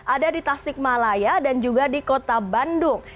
ada di tasik malaya dan juga di kota bandung